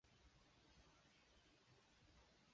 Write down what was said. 刺萼秀丽莓为蔷薇科悬钩子属下的一个变种。